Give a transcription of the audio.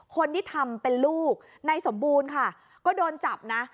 คนที่ทำเป็นลูกในสมบูรณ์ค่ะก็โดนจับนะ